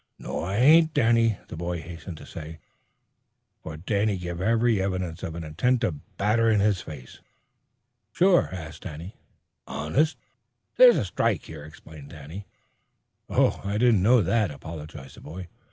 "No, I ain't, Danny," the boy hastened to say, for Danny gave every evidence of an intent to batter in his face. "Sure?" asked Danny. "Honest." "This here's a strike," explained Danny. "Oh, I didn't know that," apologized the boy.